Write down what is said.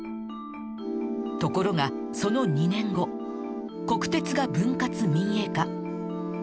ところがその２年後国鉄が分割民営化